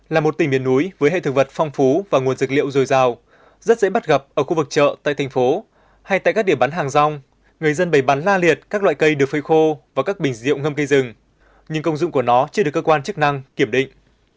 là một tỉnh miền núi với hệ thực vật phong phú và nguồn dược liệu dồi dào rất dễ bắt gặp ở khu vực chợ tại thành phố hay tại các điểm bán hàng rong người dân bày bán la liệt các loại cây được phơi khô và các bình rượu ngâm cây rừng nhưng công dụng của nó chưa được cơ quan chức năng kiểm định